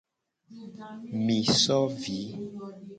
Mi so vi.